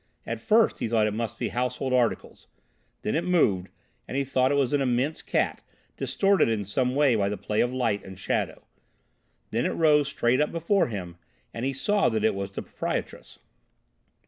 At first he thought it must be household articles. Then it moved, and he thought it was an immense cat, distorted in some way by the play of light and shadow. Then it rose straight up before him and he saw that it was the proprietress.